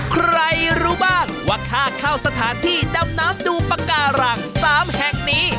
ใครรู้บ้างว่าค่าเข้าสถานที่ดำน้ำดูปากการัง๓แห่งนี้